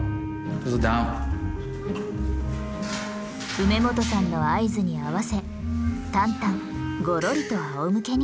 梅元さんの合図に合わせタンタンごろりとあおむけに。